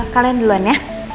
kalian duluan ya